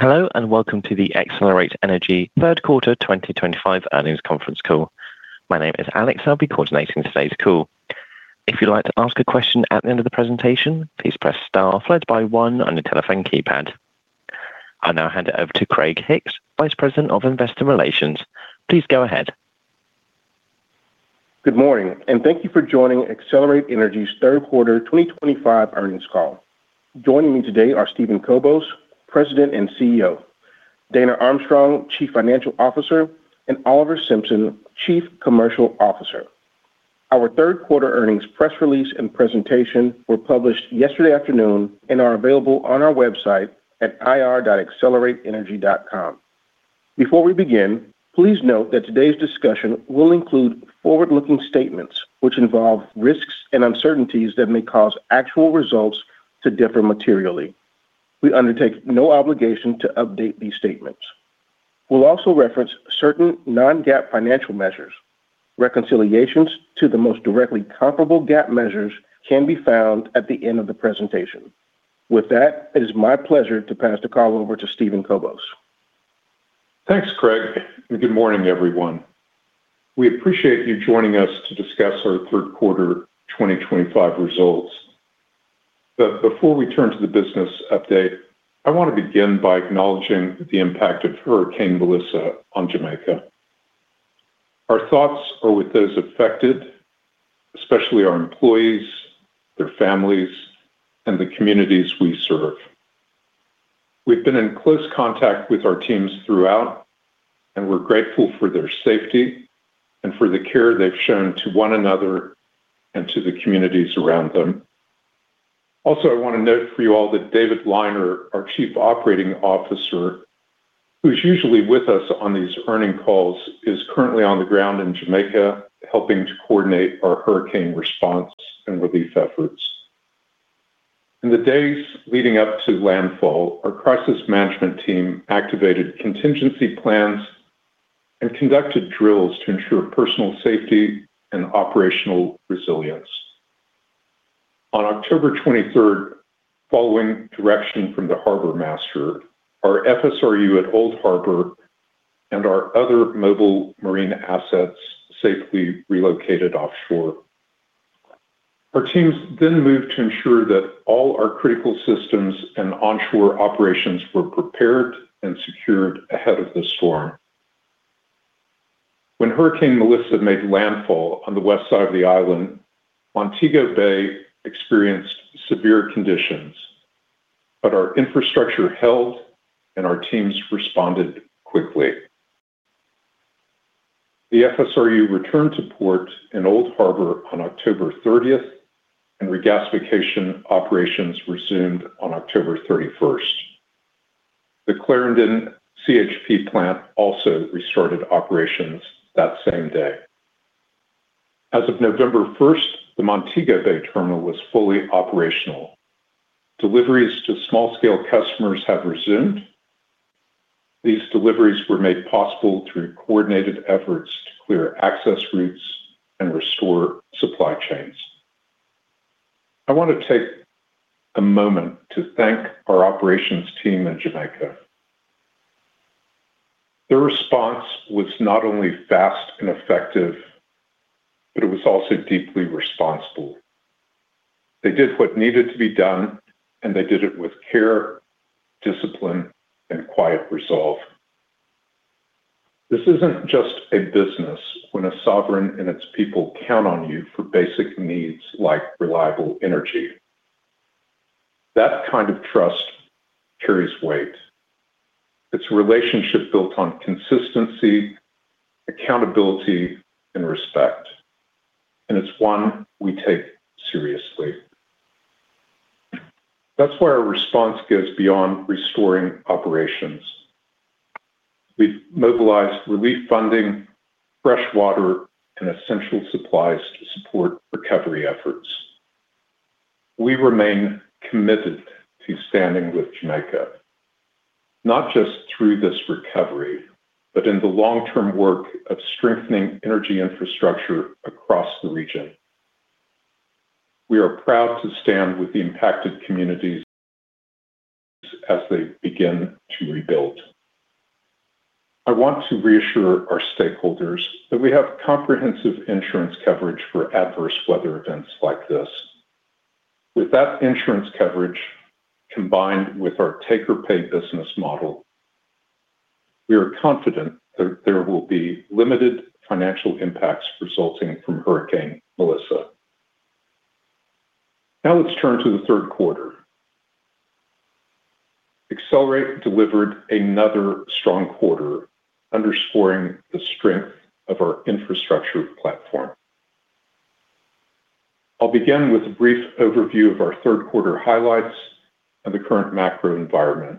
Hello and welcome to the Excelerate Energy third quarter 2025 earnings conference call. My name is Alex, and I'll be coordinating today's call. If you'd like to ask a question at the end of the presentation, please press star followed by one on your telephone keypad. I'll now hand it over to Craig Hicks, Vice President of Investor Relations. Please go ahead. Good morning, and thank you for joining Excelerate Energy's third quarter 2025 earnings call. Joining me today are Steven Kobos, President and CEO; Dana Armstrong, Chief Financial Officer; and Oliver Simpson, Chief Commercial Officer. Our third quarter earnings press release and presentation were published yesterday afternoon and are available on our website at ir.excelerateenergy.com. Before we begin, please note that today's discussion will include forward-looking statements which involve risks and uncertainties that may cause actual results to differ materially. We undertake no obligation to update these statements. We'll also reference certain non-GAAP financial measures. Reconciliations to the most directly comparable GAAP measures can be found at the end of the presentation. With that, it is my pleasure to pass the call over to Steven Kobos. Thanks, Craig, and good morning, everyone. We appreciate you joining us to discuss our third quarter 2025 results. Before we turn to the business update, I want to begin by acknowledging the impact of Hurricane Melissa on Jamaica. Our thoughts are with those affected, especially our employees, their families, and the communities we serve. We've been in close contact with our teams throughout, and we're grateful for their safety and for the care they've shown to one another and to the communities around them. Also, I want to note for you all that David Liner, our Chief Operating Officer, who's usually with us on these earnings calls, is currently on the ground in Jamaica helping to coordinate our hurricane response and relief efforts. In the days leading up to landfall, our crisis management team activated contingency plans and conducted drills to ensure personal safety and operational resilience. On October 23rd, following direction from the harbor master, our FSRU at Old Harbor and our other mobile marine assets safely relocated offshore. Our teams then moved to ensure that all our critical systems and onshore operations were prepared and secured ahead of the storm. When Hurricane Melissa made landfall on the west side of the island, Montego Bay experienced severe conditions, but our infrastructure held and our teams responded quickly. The FSRU returned to port in Old Harbor on October 30th, and regasification operations resumed on October 31st. The Clarendon CHP plant also restarted operations that same day. As of November 1st, the Montego Bay terminal was fully operational. Deliveries to small-scale customers have resumed. These deliveries were made possible through coordinated efforts to clear access routes and restore supply chains. I want to take a moment to thank our operations team in Jamaica. Their response was not only fast and effective. It was also deeply responsible. They did what needed to be done, and they did it with care, discipline, and quiet resolve. This is not just a business when a sovereign and its people count on you for basic needs like reliable energy. That kind of trust carries weight. It is a relationship built on consistency, accountability, and respect, and it is one we take seriously. That is why our response goes beyond restoring operations. We have mobilized relief funding, freshwater, and essential supplies to support recovery efforts. We remain committed to standing with Jamaica, not just through this recovery, but in the long-term work of strengthening energy infrastructure across the region. We are proud to stand with the impacted communities as they begin to rebuild. I want to reassure our stakeholders that we have comprehensive insurance coverage for adverse weather events like this. With that insurance coverage combined with our take-or-pay business model, we are confident that there will be limited financial impacts resulting from Hurricane Melissa. Now let's turn to the third quarter. Excelerate delivered another strong quarter, underscoring the strength of our infrastructure platform. I'll begin with a brief overview of our third quarter highlights and the current macro environment.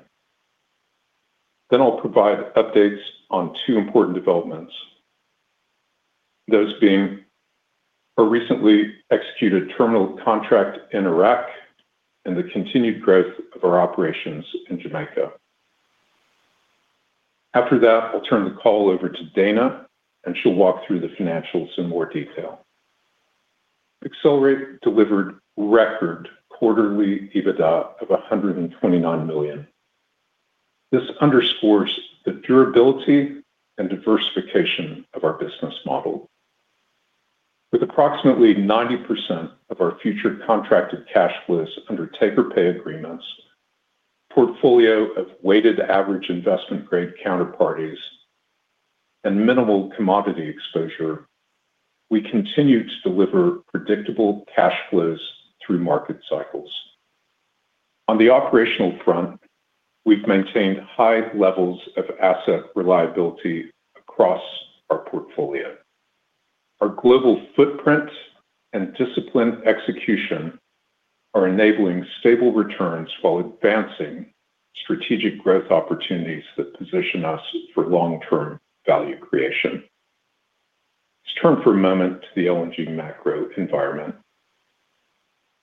Then I'll provide updates on two important developments, those being our recently executed terminal contract in Iraq and the continued growth of our operations in Jamaica. After that, I'll turn the call over to Dana, and she'll walk through the financials in more detail. Excelerate delivered record quarterly EBITDA of $129 million. This underscores the durability and diversification of our business model. With approximately 90% of our future contracted cash flows under take-or-pay agreements, a portfolio of weighted average investment-grade counterparties, and minimal commodity exposure. We continue to deliver predictable cash flows through market cycles. On the operational front, we've maintained high levels of asset reliability across our portfolio. Our global footprint and disciplined execution are enabling stable returns while advancing strategic growth opportunities that position us for long-term value creation. Let's turn for a moment to the LNG macro environment.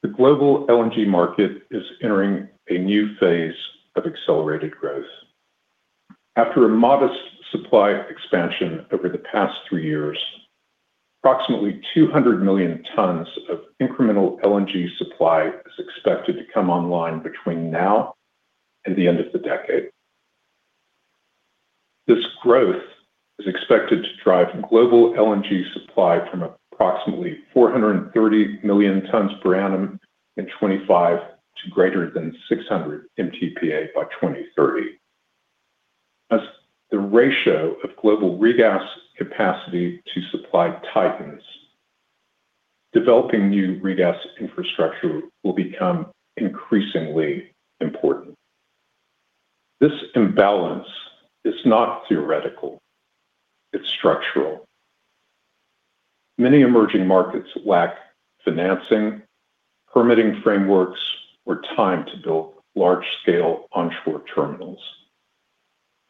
The global LNG market is entering a new phase of accelerated growth. After a modest supply expansion over the past three years, approximately 200 million tons of incremental LNG supply is expected to come online between now and the end of the decade. This growth is expected to drive global LNG supply from approximately 430 million tons per annum in 2025 to greater than 600 MTPA by 2030. As the ratio of global regas capacity to supply tightens, developing new regas infrastructure will become increasingly important. This imbalance is not theoretical. It's structural. Many emerging markets lack financing, permitting frameworks, or time to build large-scale onshore terminals.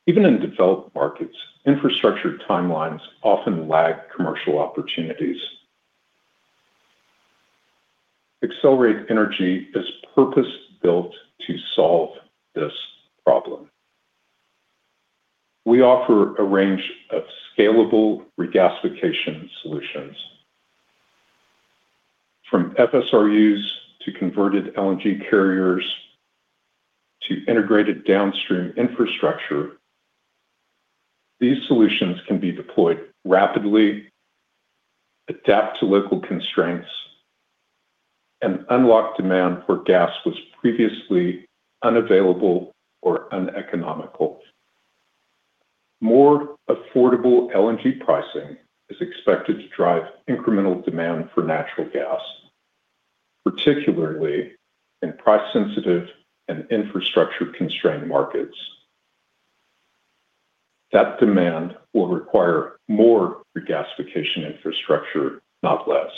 Even in developed markets, infrastructure timelines often lag commercial opportunities. Excelerate Energy is purpose-built to solve this problem. We offer a range of scalable regasification solutions. From FSRUs to converted LNG carriers. To integrated downstream infrastructure. These solutions can be deployed rapidly. Adapt to local constraints. And unlock demand for gas that was previously unavailable or uneconomical. More affordable LNG pricing is expected to drive incremental demand for natural gas. Particularly in price-sensitive and infrastructure-constrained markets. That demand will require more regasification infrastructure, not less.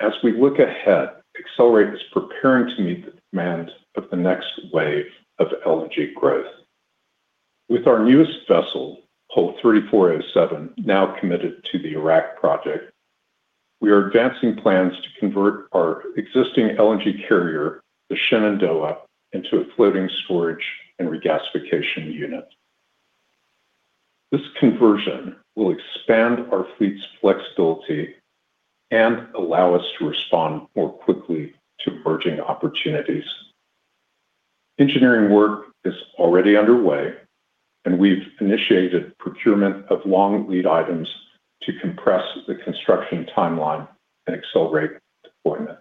As we look ahead, Excelerate is preparing to meet the demand of the next wave of LNG growth. With our newest vessel, Hull 3407, now committed to the Iraq project, we are advancing plans to convert our existing LNG carrier, the Shenandoah, into a floating storage and regasification unit. This conversion will expand our fleet's flexibility and allow us to respond more quickly to emerging opportunities. Engineering work is already underway, and we've initiated procurement of long lead items to compress the construction timeline and accelerate deployment.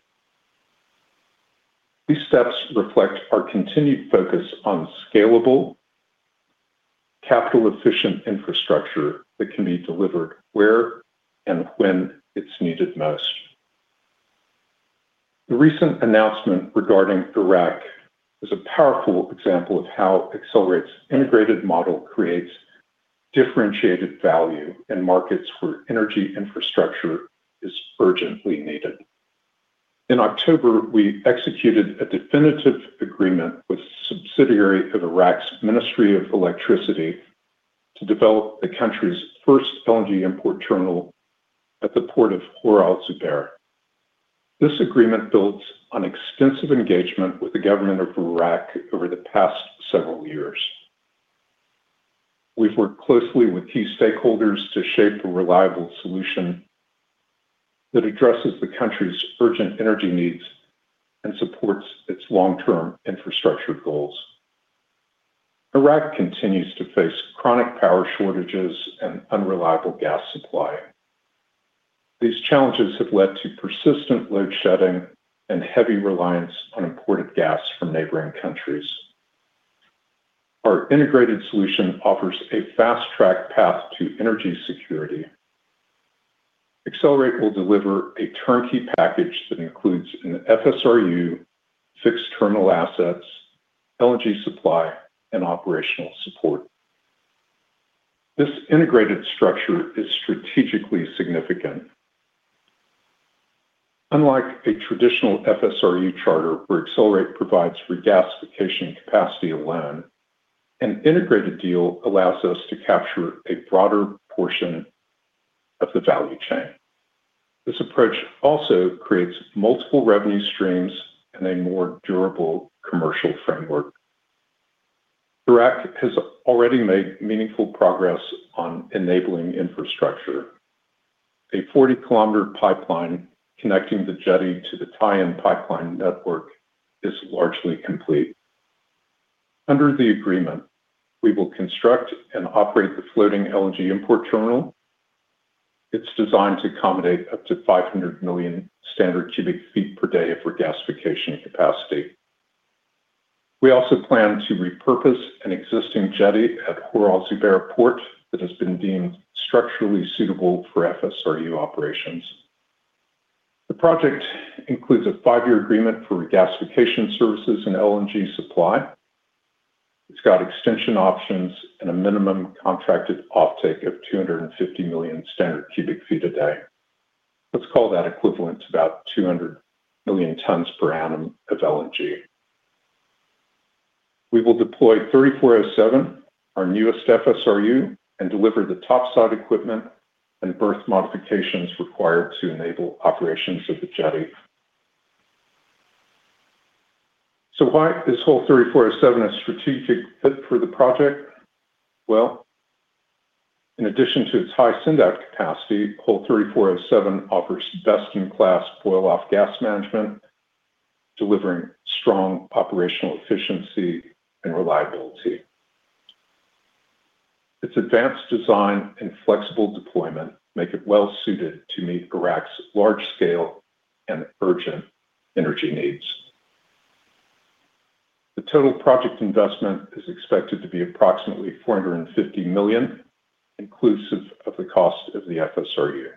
These steps reflect our continued focus on scalable, capital-efficient infrastructure that can be delivered where and when it's needed most. The recent announcement regarding Iraq is a powerful example of how Excelerate's integrated model creates differentiated value in markets where energy infrastructure is urgently needed. In October, we executed a definitive agreement with a subsidiary of Iraq's Ministry of Electricity to develop the country's first LNG import terminal at the port of Khor Al Zubair. This agreement builds on extensive engagement with the government of Iraq over the past several years. We've worked closely with key stakeholders to shape a reliable solution. That addresses the country's urgent energy needs and supports its long-term infrastructure goals. Iraq continues to face chronic power shortages and unreliable gas supply. These challenges have led to persistent load shedding and heavy reliance on imported gas from neighboring countries. Our integrated solution offers a fast-track path to energy security. Excelerate will deliver a turnkey package that includes an FSRU, fixed terminal assets, LNG supply, and operational support. This integrated structure is strategically significant. Unlike a traditional FSRU charter where Excelerate provides regasification capacity alone, an integrated deal allows us to capture a broader portion of the value chain. This approach also creates multiple revenue streams and a more durable commercial framework. Iraq has already made meaningful progress on enabling infrastructure. A 40 km pipeline connecting the jetty to the Tayan Pipeline Network is largely complete. Under the agreement, we will construct and operate the floating LNG import terminal. It's designed to accommodate up to 500 million standard cubic feet per day of regasification capacity. We also plan to repurpose an existing jetty at Khor Al Zubair port that has been deemed structurally suitable for FSRU operations. The project includes a 5-year agreement for regasification services and LNG supply. It's got extension options and a minimum contracted offtake of 250 million standard cu ft a day. Let's call that equivalent to about 2 million tons per annum of LNG. We will deploy 3407, our newest FSRU, and deliver the topside equipment and berth modifications required to enable operations of the jetty. Why is Hull 3407 a strategic fit for the project? In addition to its high send-out capacity, Hull 3407 offers best-in-class boil-off gas management, delivering strong operational efficiency and reliability. Its advanced design and flexible deployment make it well-suited to meet Iraq's large-scale and urgent energy needs. The total project investment is expected to be approximately $450 million, inclusive of the cost of the FSRU.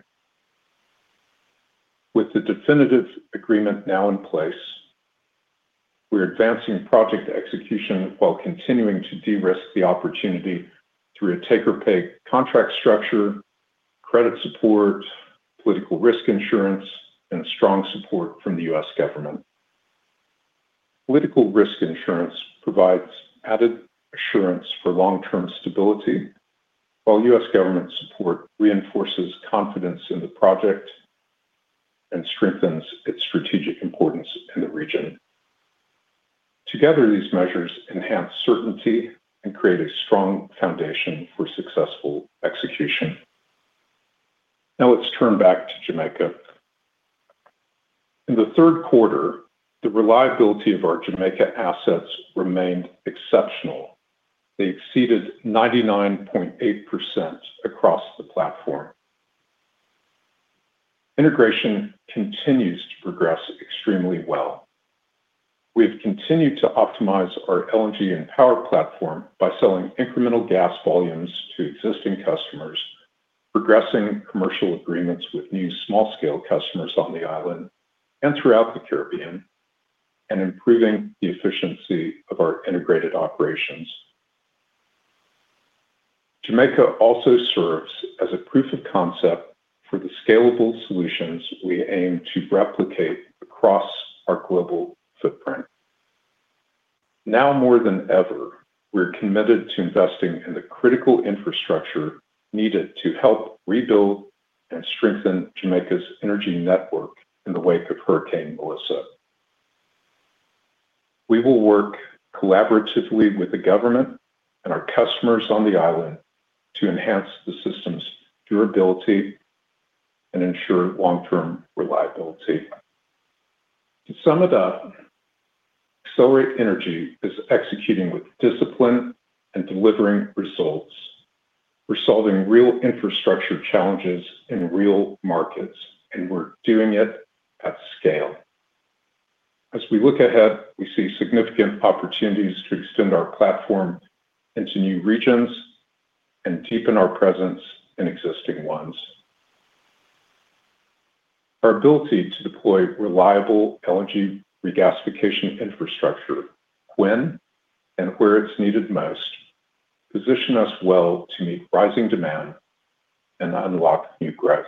With the definitive agreement now in place, we're advancing project execution while continuing to de-risk the opportunity through a take-or-pay contract structure, credit support, political risk insurance, and strong support from the U.S. government. Political risk insurance provides added assurance for long-term stability, while U.S. government support reinforces confidence in the project and strengthens its strategic importance in the region. Together, these measures enhance certainty and create a strong foundation for successful execution. Now let's turn back to Jamaica. In the third quarter, the reliability of our Jamaica assets remained exceptional. They exceeded 99.8% across the platform. Integration continues to progress extremely well. We have continued to optimize our LNG and power platform by selling incremental gas volumes to existing customers, progressing commercial agreements with new small-scale customers on the island and throughout the Caribbean, and improving the efficiency of our integrated operations. Jamaica also serves as a proof of concept for the scalable solutions we aim to replicate across our global footprint. Now more than ever, we're committed to investing in the critical infrastructure needed to help rebuild and strengthen Jamaica's energy network in the wake of Hurricane Melissa. We will work collaboratively with the government and our customers on the island to enhance the system's durability and ensure long-term reliability. To sum it up, Excelerate Energy is executing with discipline and delivering results. We're solving real infrastructure challenges in real markets, and we're doing it at scale. As we look ahead, we see significant opportunities to extend our platform. Into new regions and deepen our presence in existing ones. Our ability to deploy reliable LNG regasification infrastructure when and where it's needed most positions us well to meet rising demand and unlock new growth.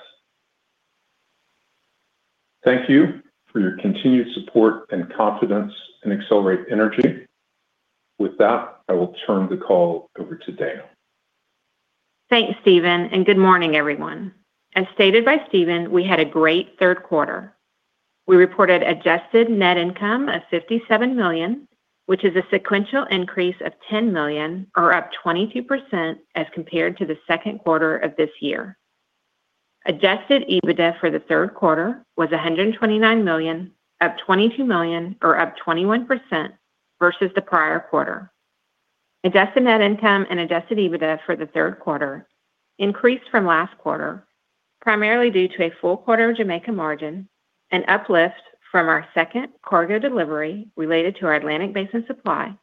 Thank you for your continued support and confidence in Excelerate Energy. With that, I will turn the call over to Dana. Thanks, Steven, and good morning, everyone. As stated by Steven, we had a great third quarter. We reported adjusted net income of $57 million, which is a sequential increase of $10 million or up 22% as compared to the second quarter of this year. Adjusted EBITDA for the third quarter was $129 million, up $22 million, or up 21% versus the prior quarter. Adjusted net income and adjusted EBITDA for the third quarter increased from last quarter, primarily due to a full quarter Jamaica margin and uplift from our second cargo delivery related to our Atlantic Basin supply,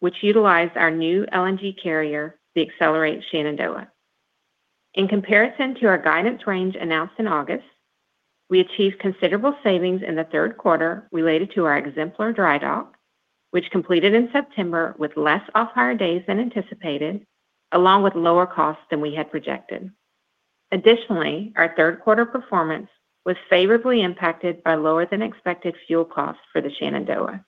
which utilized our new LNG carrier, the Excelerate Shenandoah. In comparison to our guidance range announced in August, we achieved considerable savings in the third quarter related to our Exemplar dry dock, which completed in September with less off-hire days than anticipated, along with lower costs than we had projected. Additionally, our third quarter performance was favorably impacted by lower-than-expected fuel costs for the Shenandoah.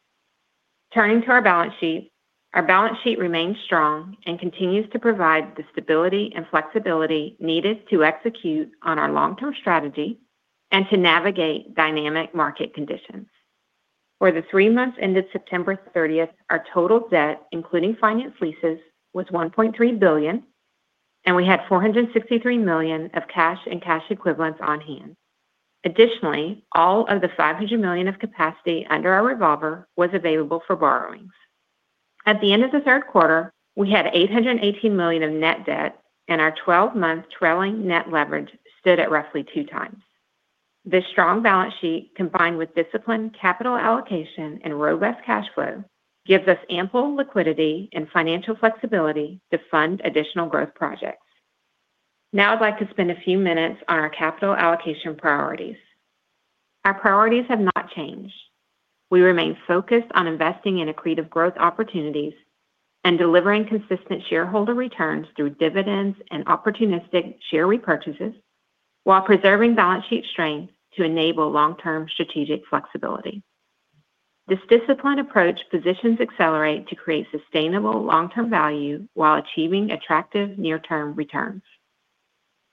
Turning to our balance sheet, our balance sheet remains strong and continues to provide the stability and flexibility needed to execute on our long-term strategy and to navigate dynamic market conditions. For the three months ended September 30th, our total debt, including finance leases, was $1.3 billion, and we had $463 million of cash and cash equivalents on hand. Additionally, all of the $500 million of capacity under our revolver was available for borrowings. At the end of the third quarter, we had $818 million of net debt, and our 12-month trailing net leverage stood at roughly 2x. This strong balance sheet, combined with disciplined capital allocation and robust cash flow, gives us ample liquidity and financial flexibility to fund additional growth projects. Now I'd like to spend a few minutes on our capital allocation priorities. Our priorities have not changed. We remain focused on investing in accretive growth opportunities and delivering consistent shareholder returns through dividends and opportunistic share repurchases, while preserving balance sheet strength to enable long-term strategic flexibility. This disciplined approach positions Excelerate to create sustainable long-term value while achieving attractive near-term returns.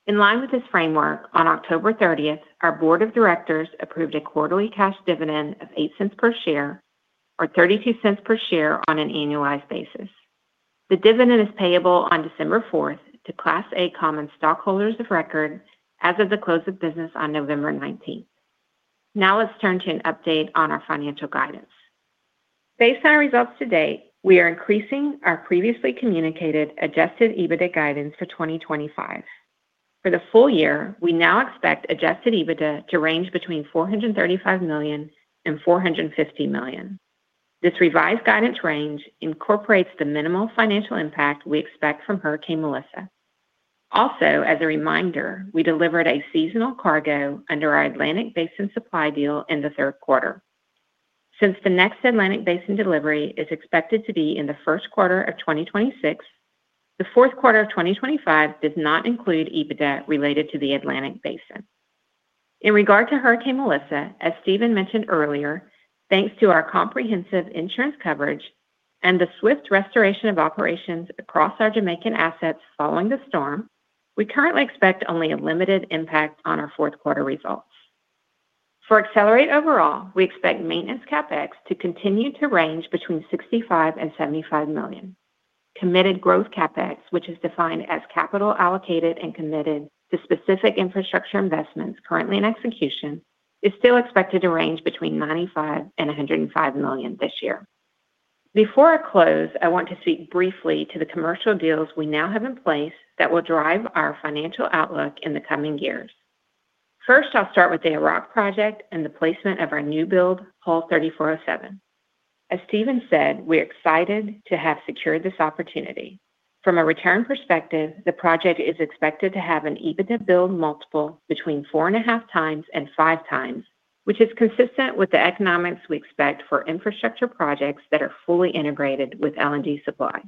In line with this framework, on October 30th, our Board of Directors approved a quarterly cash dividend of $0.08 per share, or $0.32 per share on an annualized basis. The dividend is payable on December 4th to Class A Common Stockholders of Record as of the close of business on November 19th. Now let's turn to an update on our financial guidance. Based on our results to date, we are increasing our previously communicated adjusted EBITDA guidance for 2025. For the full year, we now expect adjusted EBITDA to range between $435 million and $450 million. This revised guidance range incorporates the minimal financial impact we expect from Hurricane Melissa. Also, as a reminder, we delivered a seasonal cargo under our Atlantic Basin supply deal in the third quarter. Since the next Atlantic Basin delivery is expected to be in the first quarter of 2026, the fourth quarter of 2025 does not include EBITDA related to the Atlantic Basin. In regard to Hurricane Melissa, as Steven mentioned earlier, thanks to our comprehensive insurance coverage and the swift restoration of operations across our Jamaican assets following the storm, we currently expect only a limited impact on our fourth quarter results. For Excelerate overall, we expect maintenance CapEx to continue to range between $65 million-$75 million. Committed growth CapEx, which is defined as capital allocated and committed to specific infrastructure investments currently in execution, is still expected to range between $95 million-$105 million this year. Before I close, I want to speak briefly to the commercial deals we now have in place that will drive our financial outlook in the coming years. First, I'll start with the Iraq project and the placement of our newbuild, Hull 3407. As Steven said, we're excited to have secured this opportunity. From a return perspective, the project is expected to have an EBITDA build multiple between 4.5x and 5x, which is consistent with the economics we expect for infrastructure projects that are fully integrated with LNG supply.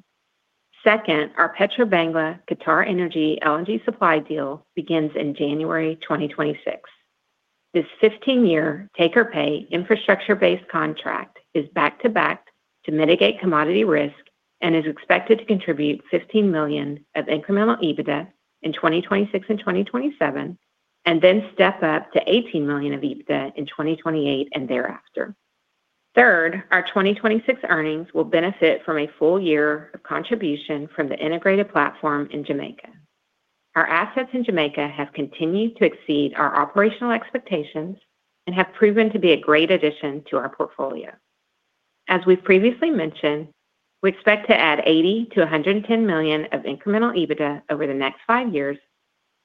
Second, our Petrobangla-QatarEnergy LNG supply deal begins in January 2026. This 15-year take-or-pay infrastructure-based contract is back-to-back to mitigate commodity risk and is expected to contribute $15 million of incremental EBITDA in 2026 and 2027, and then step up to $18 million of EBITDA in 2028 and thereafter. Third, our 2026 earnings will benefit from a full year of contribution from the integrated platform in Jamaica. Our assets in Jamaica have continued to exceed our operational expectations and have proven to be a great addition to our portfolio. As we've previously mentioned, we expect to add $80 million-$110 million of incremental EBITDA over the next 5 years,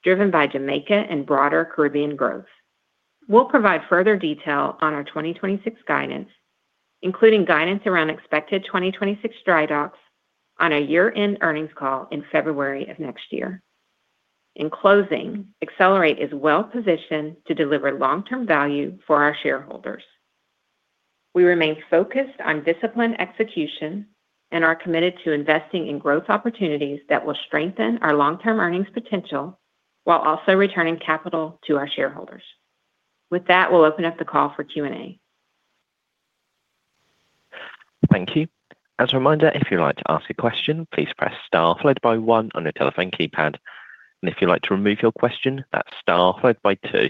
driven by Jamaica and broader Caribbean growth. We'll provide further detail on our 2026 guidance, including guidance around expected 2026 dry docks, on our year-end earnings call in February of next year. In closing, Excelerate is well-positioned to deliver long-term value for our shareholders. We remain focused on disciplined execution and are committed to investing in growth opportunities that will strengthen our long-term earnings potential while also returning capital to our shareholders. With that, we'll open up the call for Q&A. Thank you. As a reminder, if you'd like to ask a question, please press star followed by one on your telephone keypad. If you'd like to remove your question, that's star followed by two.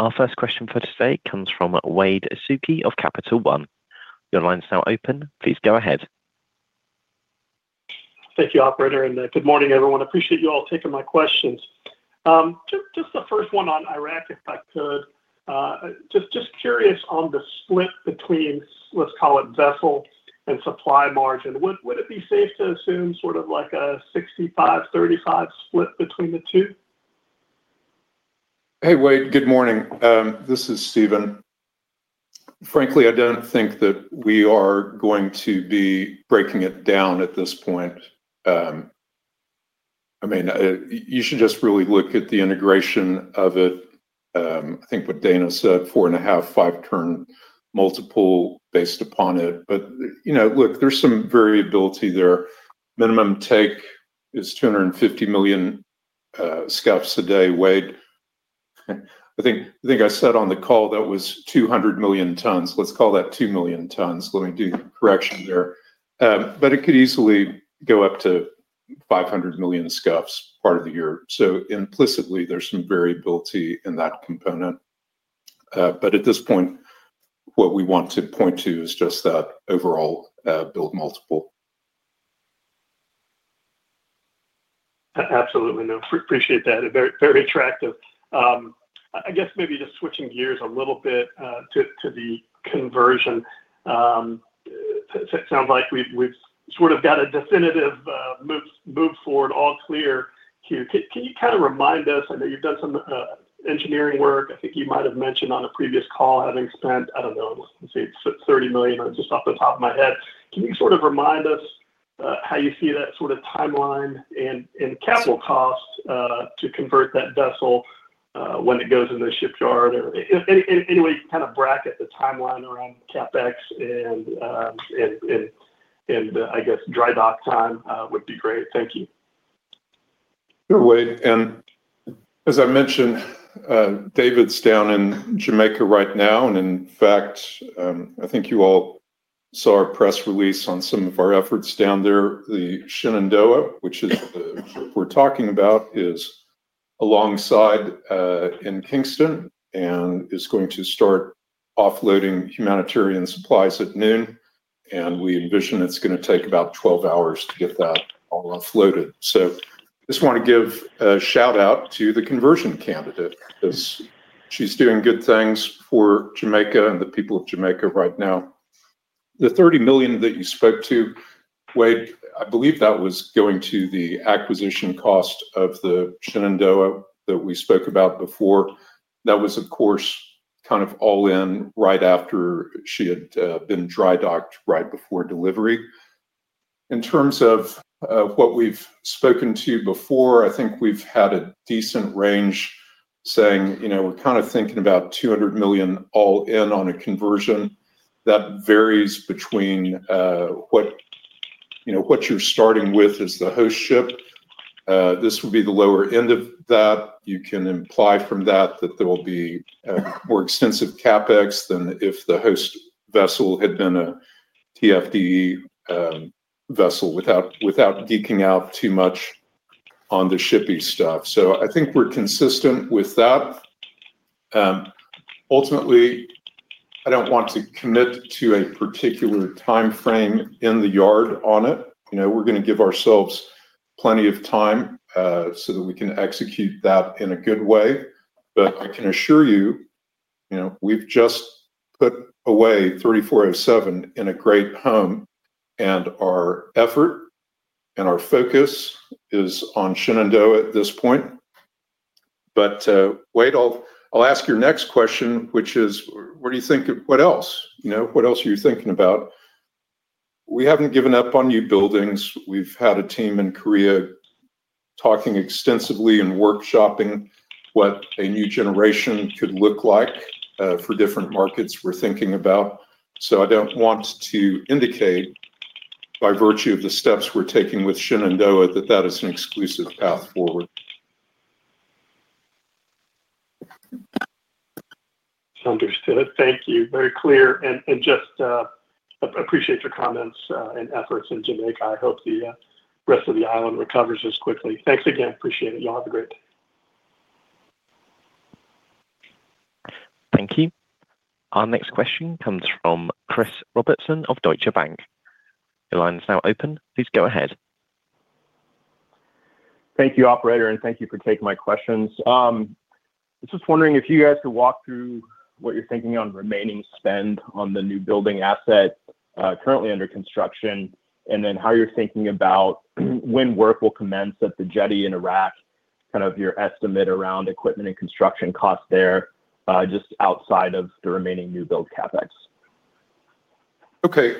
Our first question for today comes from Wade Suki of Capital One. Your line is now open. Please go ahead. Thank you, Operator. Good morning, everyone. I appreciate you all taking my questions. Just the first one on Iraq, if I could. Just curious on the split between, let's call it, vessel and supply margin. Would it be safe to assume sort of like a 65/35 split between the two? Hey, Wade. Good morning. This is Steven. Frankly, I don't think that we are going to be breaking it down at this point. I mean, you should just really look at the integration of it. I think what Dana said, four and a half, five-turn multiple based upon it. There is some variability there. Minimum take is 250 million scf a day, Wade. I think I said on the call that was 200 million tons. Let's call that 2 million tons. Let me do the correction there. It could easily go up to 500 million scf part of the year. Implicitly, there's some variability in that component. At this point, what we want to point to is just that overall build multiple. Absolutely. No, appreciate that. Very attractive. I guess maybe just switching gears a little bit to the conversion. It sounds like we've sort of got a definitive move forward, all clear here. Can you kind of remind us? I know you've done some engineering work. I think you might have mentioned on a previous call having spent, I don't know, let's see, $30 million, just off the top of my head. Can you sort of remind us how you see that sort of timeline and capital cost to convert that vessel when it goes into the shipyard? Any way you kind of bracket the timeline around CapEx and I guess dry dock time would be great. Thank you. Sure, Wade. As I mentioned, David's down in Jamaica right now. In fact, I think you all saw a press release on some of our efforts down there. The Shenandoah, which we're talking about, is alongside in Kingston and is going to start offloading humanitarian supplies at noon. We envision it's going to take about 12 hours to get that all offloaded. I just want to give a shout-out to the conversion candidate because she's doing good things for Jamaica and the people of Jamaica right now. The $30 million that you spoke to. Wade, I believe that was going to the acquisition cost of the Shenandoah that we spoke about before. That was, of course, kind of all-in right after she had been dry docked right before delivery. In terms of what we've spoken to before, I think we've had a decent range saying we're kind of thinking about $200 million all-in on a conversion. That varies between what you're starting with as the host ship. This would be the lower end of that. You can imply from that that there will be more extensive CapEx than if the host vessel had been a TFDE vessel without geeking out too much on the shipping stuff. I think we're consistent with that. Ultimately, I don't want to commit to a particular timeframe in the yard on it. We're going to give ourselves plenty of time so that we can execute that in a good way. I can assure you, we've just put away 3407 in a great home, and our effort and our focus is on Shenandoah at this point. Wade, I'll ask your next question, which is, what do you think of what else? What else are you thinking about? We haven't given up on new buildings. We've had a team in Korea talking extensively and workshopping what a new generation could look like for different markets we're thinking about. I don't want to indicate by virtue of the steps we're taking with Shenandoah that that is an exclusive path forward. Understood. Thank you. Very clear. I just appreciate your comments and efforts in Jamaica. I hope the rest of the island recovers as quickly. Thanks again. Appreciate it. Y'all have a great day. Thank you. Our next question comes from Chris Robertson of Deutsche Bank. Your line is now open. Please go ahead. Thank you, Operator. Thank you for taking my questions. I'm just wondering if you guys could walk through what you're thinking on remaining spend on the new building asset currently under construction and then how you're thinking about when work will commence at the jetty in Iraq, kind of your estimate around equipment and construction costs there just outside of the remaining new build CapEx. Okay.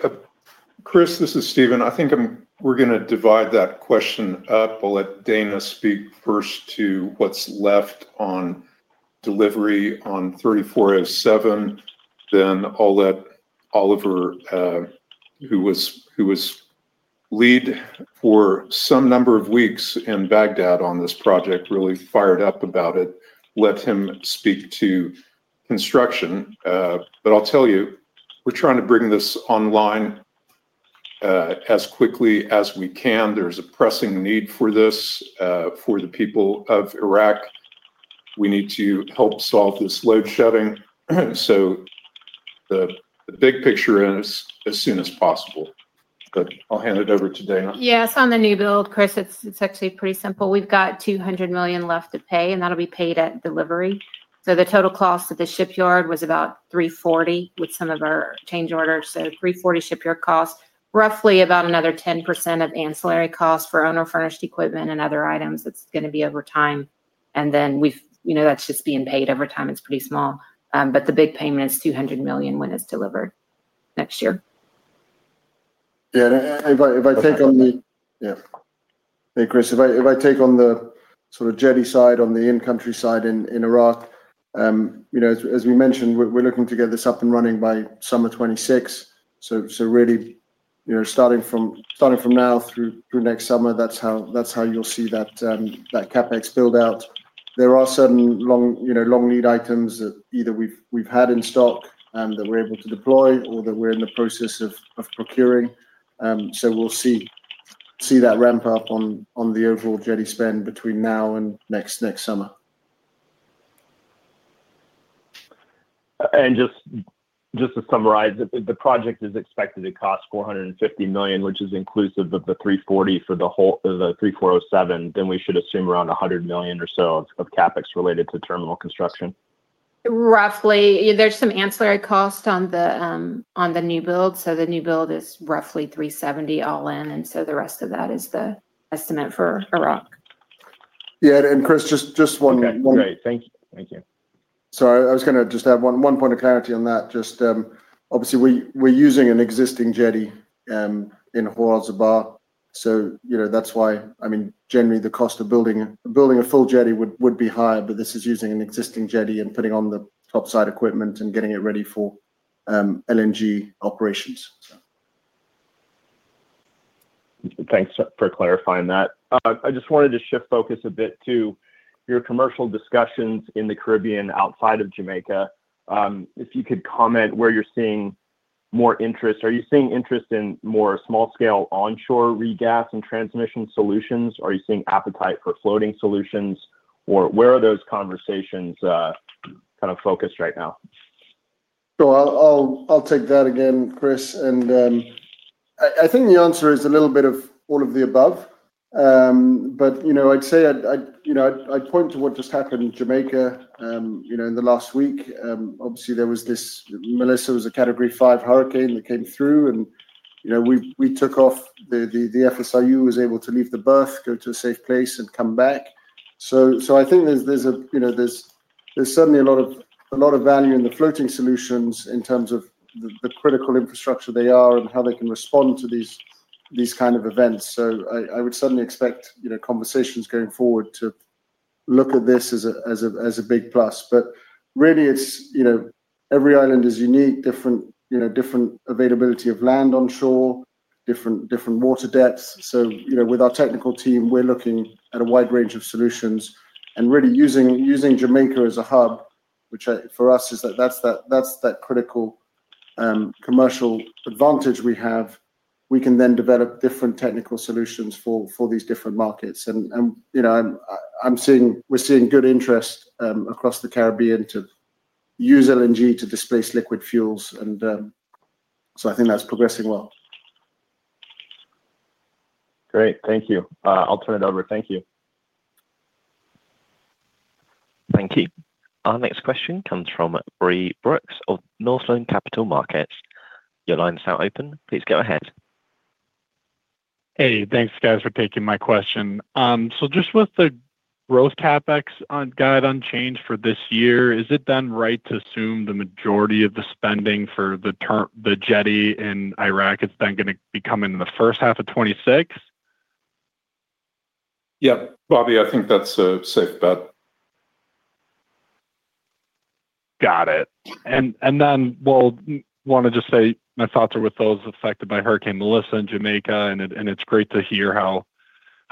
Chris, this is Steven. I think we're going to divide that question up. I'll let Dana speak first to what's left on delivery on 3407. Then I'll let Oliver, who was lead for some number of weeks in Baghdad on this project, really fired up about it, let him speak to construction. I'll tell you, we're trying to bring this online as quickly as we can. There's a pressing need for this for the people of Iraq. We need to help solve this load shedding. The big picture is as soon as possible. I'll hand it over to Dana. Yes, on the new build, Chris, it's actually pretty simple. We've got $200 million left to pay, and that'll be paid at delivery. The total cost of the shipyard was about $340 million with some of our change orders. So $340 million shipyard cost, roughly about another 10% of ancillary costs for owner-furnished equipment and other items. It's going to be over time, and then that's just being paid over time. It's pretty small. The big payment is $200 million when it's delivered next year. If I take on the—yeah. Hey, Chris, if I take on the sort of jetty side, on the in-country side in Iraq. As we mentioned, we're looking to get this up and running by summer 2026. So really. Starting from now through next summer, that's how you'll see that CapEx build out. There are certain long-lead items that either we've had in stock and that we're able to deploy or that we're in the process of procuring. We'll see that ramp up on the overall Jetty spend between now and next summer. Just to summarize, if the project is expected to cost $450 million, which is inclusive of the $340 million for the 3407, then we should assume around $100 million or so of CapEx related to terminal construction. Roughly. There's some ancillary cost on the new build. So the new build is roughly $370 million all-in. The rest of that is the estimate for Iraq. Yeah. Chris, just one— Okay. Great. Thank you. Thank you. I was going to just have one point of clarity on that. Just obviously, we're using an existing jetty in Khor Al Zubair. That's why, I mean, generally, the cost of building a full jetty would be higher, but this is using an existing jetty and putting on the topside equipment and getting it ready for LNG operations. Thanks for clarifying that. I just wanted to shift focus a bit to your commercial discussions in the Caribbean outside of Jamaica. If you could comment where you're seeing more interest. Are you seeing interest in more small-scale onshore regas and transmission solutions? Are you seeing appetite for floating solutions? Where are those conversations kind of focused right now? I'll take that again, Chris. I think the answer is a little bit of all of the above. I'd say I would point to what just happened in Jamaica in the last week. Obviously, there was this—Melissa was a Category 5 hurricane that came through. We took off. The FSRU was able to leave the berth, go to a safe place, and come back. I think there is certainly a lot of value in the floating solutions in terms of the critical infrastructure they are and how they can respond to these kinds of events. I would certainly expect conversations going forward to look at this as a big plus. Really, every island is unique, different. Availability of land onshore, different water depths. With our technical team, we are looking at a wide range of solutions. Really, using Jamaica as a hub, which for us is that critical. Commercial advantage we have, we can then develop different technical solutions for these different markets. We're seeing good interest across the Caribbean to use LNG to displace liquid fuels. I think that's progressing well. Great. Thank you. I'll turn it over. Thank you. Thank you. Our next question comes from Bobby Brooks of Northland Capital Markets. Your line is now open. Please go ahead. Hey, thanks, guys, for taking my question. Just with the growth CapEx guide unchanged for this year, is it then right to assume the majority of the spending for the jetty in Iraq is then going to be coming in the first half of 2026? Yeah. Bobby, I think that's a safe bet. Got it. I want to just say my thoughts are with those affected by Hurricane Melissa in Jamaica. It is great to hear how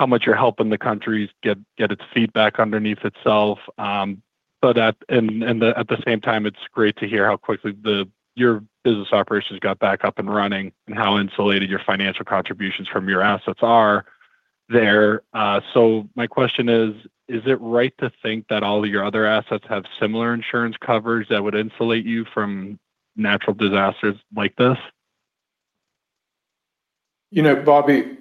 much you are helping the countries get its feet back underneath itself. At the same time, it is great to hear how quickly your business operations got back up and running and how insulated your financial contributions from your assets are there. My question is, is it right to think that all of your other assets have similar insurance coverage that would insulate you from natural disasters like this? Bobby,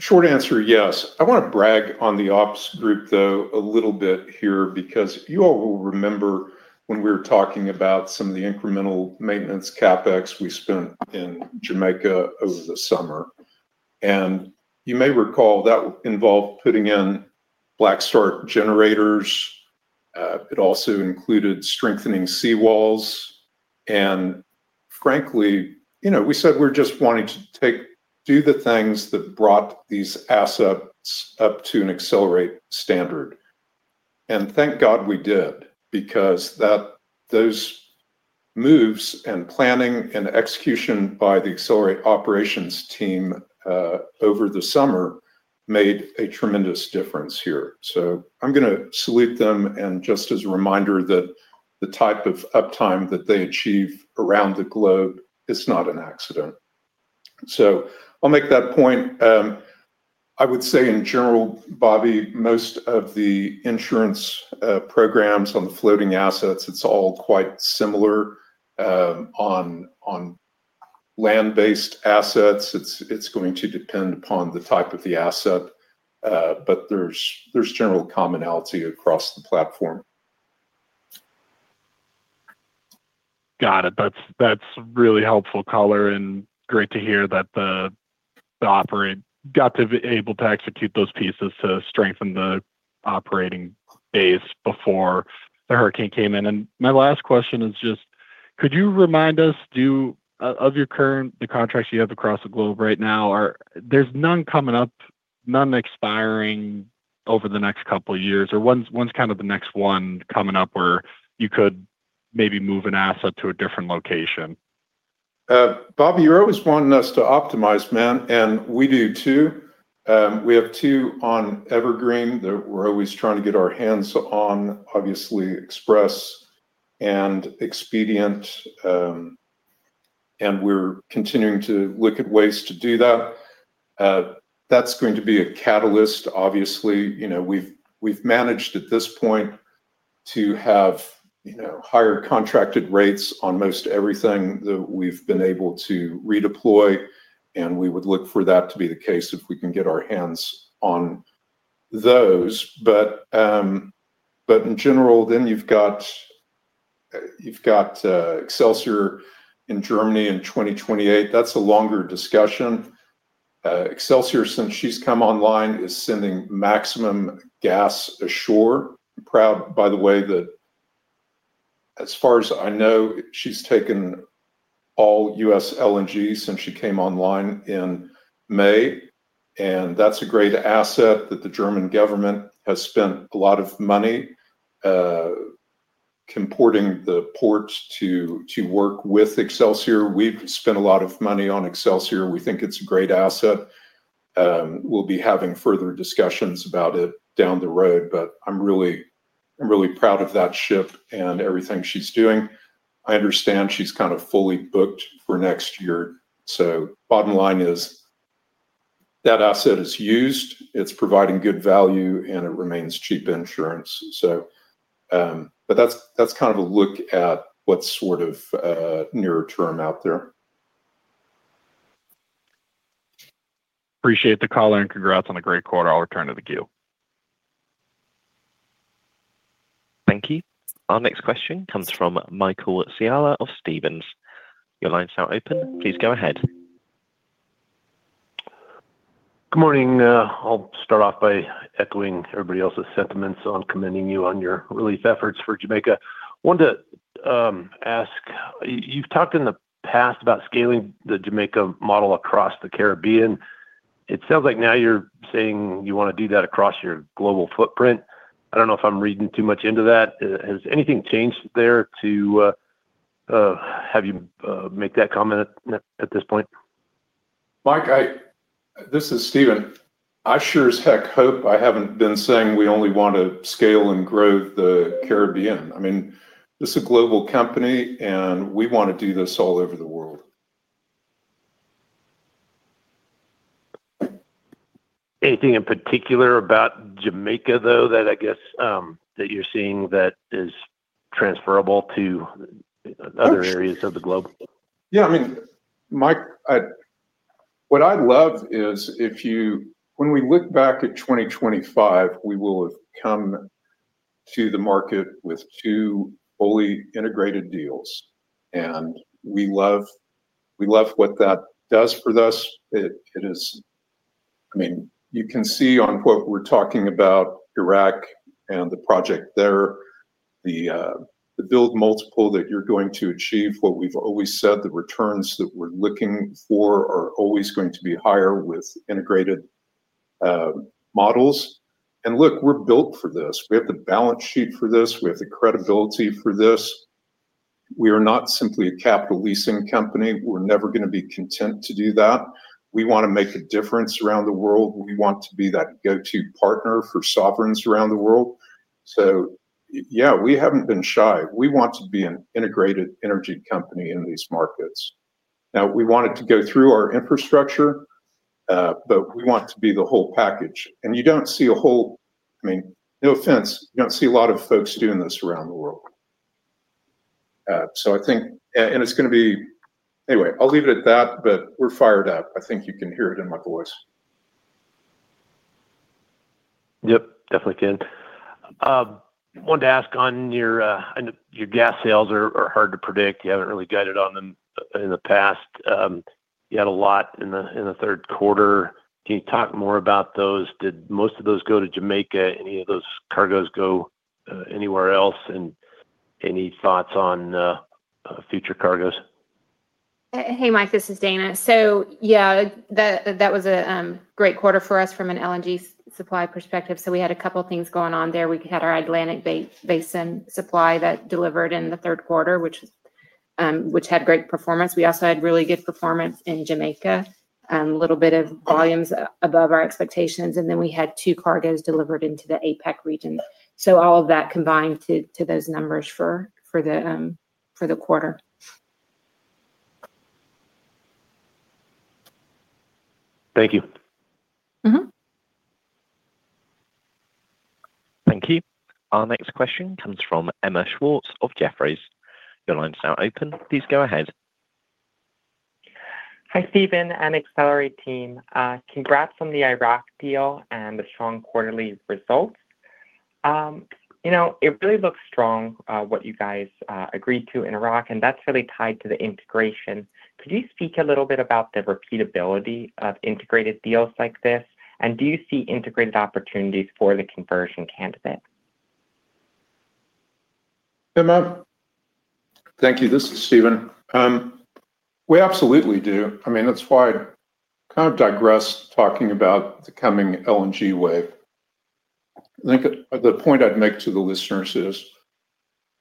short answer, yes. I want to brag on the ops group, though, a little bit here because you all will remember when we were talking about some of the incremental maintenance CapEx we spent in Jamaica over the summer. You may recall that involved putting in Black Start generators. It also included strengthening seawalls. Frankly, we said we are just wanting to do the things that brought these assets up to an Excelerate standard. Thank God we did because those moves and planning and execution by the Excelerate operations team over the summer made a tremendous difference here. I'm going to salute them and just as a reminder that the type of uptime that they achieve around the globe is not an accident. I'll make that point. I would say in general, Bobby, most of the insurance programs on the floating assets, it's all quite similar. On land-based assets, it's going to depend upon the type of the asset, but there's general commonality across the platform. Got it. That's really helpful color, and great to hear that the operate got to be able to execute those pieces to strengthen the operating base before the hurricane came in. My last question is just, could you remind us of your current, the contracts you have across the globe right now? There's none coming up, none expiring over the next couple of years. Or when's kind of the next one coming up where you could maybe move an asset to a different location? Bobby, you're always wanting us to optimize, man. And we do too. We have two on evergreen that we're always trying to get our hands on, obviously, Express and Expedient. And we're continuing to look at ways to do that. That's going to be a catalyst, obviously. We've managed at this point to have higher contracted rates on most everything that we've been able to redeploy. And we would look for that to be the case if we can get our hands on those. In general, then you've got Excelsior in Germany in 2028. That's a longer discussion. Excelsior, since she's come online, is sending maximum gas ashore. Proud, by the way, that. As far as I know, she's taken all U.S. LNG since she came online in May. And that's a great asset that the German government has spent a lot of money converting the port to work with Excelsior. We've spent a lot of money on Excelsior. We think it's a great asset. We'll be having further discussions about it down the road. I'm really proud of that ship and everything she's doing. I understand she's kind of fully booked for next year. Bottom line is that asset is used, it's providing good value, and it remains cheap insurance. That's kind of a look at what's sort of near term out there. Appreciate the call and congrats on a great quarter. I'll return to the queue. Thank you. Our next question comes from Michael Scialla of Stephens. Your line is now open. Please go ahead. Good morning. I'll start off by echoing everybody else's sentiments on commending you on your relief efforts for Jamaica. I wanted to ask, you've talked in the past about scaling the Jamaica model across the Caribbean. It sounds like now you're saying you want to do that across your global footprint. I don't know if I'm reading too much into that. Has anything changed there to have you make that comment at this point? Mike, this is Steven. I sure as heck hope I haven't been saying we only want to scale and grow the Caribbean. I mean, this is a global company, and we want to do this all over the world. Anything in particular about Jamaica, though, that I guess that you're seeing that is transferable to other areas of the globe? Yeah. I mean. What I'd love is if you—when we look back at 2025, we will have come to the market with two fully integrated deals. And we love what that does for us. I mean, you can see on what we're talking about, Iraq and the project there, the build multiple that you're going to achieve, what we've always said, the returns that we're looking for are always going to be higher with integrated models. And look, we're built for this. We have the balance sheet for this. We have the credibility for this. We are not simply a capital leasing company. We're never going to be content to do that. We want to make a difference around the world. We want to be that go-to partner for sovereigns around the world. So yeah, we haven't been shy. We want to be an integrated energy company in these markets. Now, we want it to go through our infrastructure. But we want to be the whole package. You do not see a whole—I mean, no offense—you do not see a lot of folks doing this around the world. I think—and it is going to be—anyway, I will leave it at that, but we are fired up. I think you can hear it in my voice. Yep. Definitely can. I wanted to ask on your gas sales are hard to predict. You have not really guided on them in the past. You had a lot in the third quarter. Can you talk more about those? Did most of those go to Jamaica? Any of those cargoes go anywhere else? Any thoughts on future cargoes? Hey, Mike, this is Dana. Yeah, that was a great quarter for us from an LNG supply perspective. We had a couple of things going on there. We had our Atlantic Basin supply that delivered in the third quarter, which had great performance. We also had really good performance in Jamaica, a little bit of volumes above our expectations. We had two cargoes delivered into the APEC region. All of that combined to those numbers for the quarter. Thank you. Thank you. Our next question comes from Emma Schwartz of Jefferies. Your line is now open. Please go ahead. Hi Steven and Excelerate team. Congrats on the Iraq deal and the strong quarterly results. It really looks strong, what you guys agreed to in Iraq, and that is really tied to the integration. Could you speak a little bit about the repeatability of integrated deals like this? Do you see integrated opportunities for the conversion candidate? Emma. Thank you. This is Steven. We absolutely do. I mean, that's why I kind of digress talking about the coming LNG wave. I think the point I'd make to the listeners is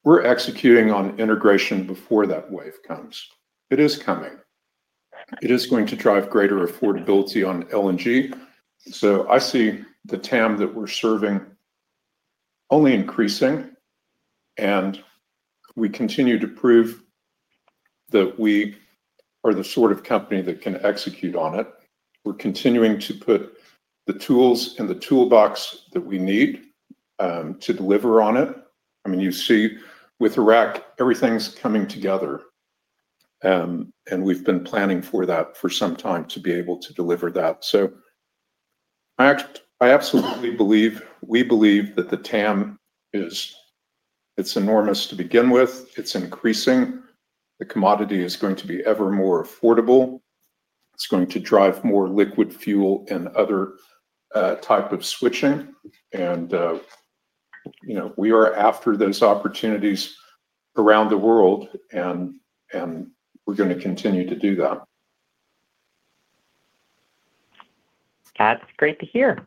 we're executing on integration before that wave comes. It is coming. It is going to drive greater affordability on LNG. I see the TAM that we're serving only increasing. We continue to prove that we are the sort of company that can execute on it. We're continuing to put the tools in the toolbox that we need to deliver on it. I mean, you see, with Iraq, everything's coming together. We've been planning for that for some time to be able to deliver that. I absolutely believe we believe that the TAM is enormous to begin with. It's increasing. The commodity is going to be ever more affordable. It's going to drive more liquid fuel and other type of switching. We are after those opportunities around the world. We are going to continue to do that. That's great to hear.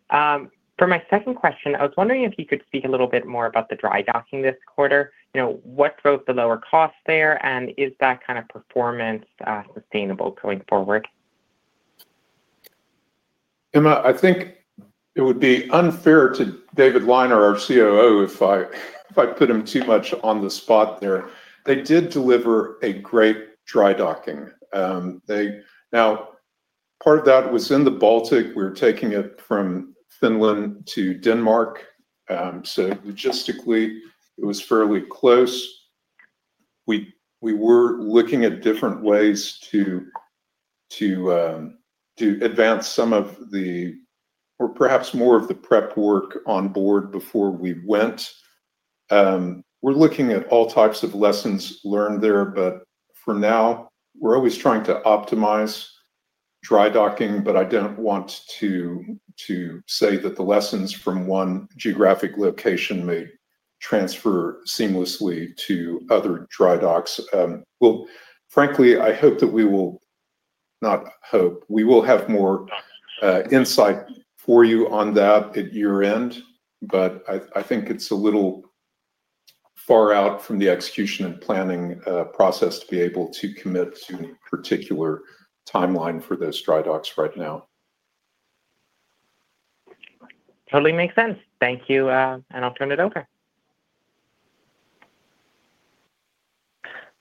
For my second question, I was wondering if you could speak a little bit more about the dry docking this quarter. What drove the lower cost there? Is that kind of performance sustainable going forward? Emma, I think it would be unfair to David Liner, our COO, if I put him too much on the spot there. They did deliver a great dry docking. Part of that was in the Baltic. We were taking it from Finland to Denmark. Logistically, it was fairly close. We were looking at different ways to advance some of the, or perhaps more of the prep work on board before we went. We are looking at all types of lessons learned there. For now, we are always trying to optimize dry docking. I do not want to say that the lessons from one geographic location may transfer seamlessly to other dry docks. Frankly, I hope that we will—not hope. We will have more insight for you on that at year end. I think it is a little far out from the execution and planning process to be able to commit to a particular timeline for those dry docks right now. Totally makes sense. Thank you. I will turn it over.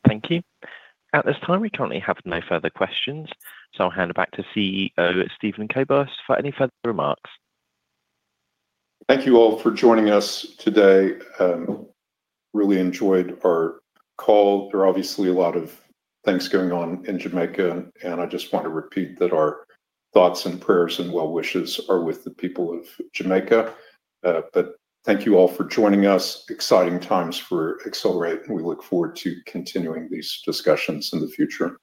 Thank you. At this time, we currently have no further questions. I will hand it back to CEO Steven Kobos for any further remarks. Thank you all for joining us today. Really enjoyed our call. There are obviously a lot of things going on in Jamaica. I just want to repeat that our thoughts and prayers and well wishes are with the people of Jamaica. Thank you all for joining us. Exciting times for Excelerate. We look forward to continuing these discussions in the future.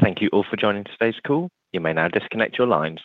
Thank you all for joining today's call. You may now disconnect your lines.